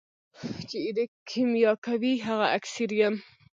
چي ایرې کېمیا کوي هغه اکسیر یم.